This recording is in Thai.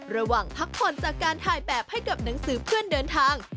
ระหว่างพักผ่อนจากการถ่ายแบบให้กับหนังสือเพื่อนเดินทาง